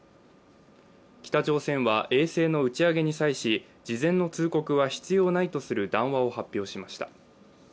北朝鮮は衛星の打ち上げに際し事前の通告は必要ないとする談話を発表しました。